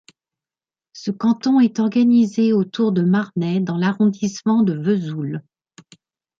Ce canton est organisé autour de Marnay dans l'arrondissement de Vesoul.